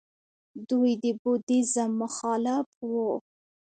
دوی د بودیزم مخالف وو